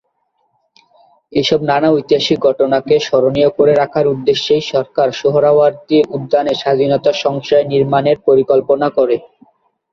এসব নানা ঐতিহাসিক ঘটনাকে স্মরণীয় করে রাখার উদ্দেশ্যেই সরকার সোহরাওয়ার্দী উদ্যানে স্বাধীনতা সংশ্রয় নির্মাণের পরিকল্পনা করে।